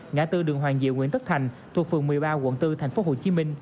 ngã tư đường hoàng diệu nguyễn tất thành thuộc phường một mươi ba quận bốn tp hcm